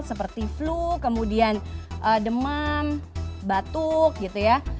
seperti flu kemudian demam batuk gitu ya